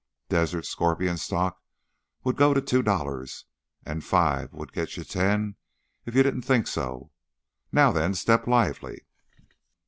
Desert Scorpion stock would go to two dollars, and five would get you ten if you didn't think so. Now then, step lively!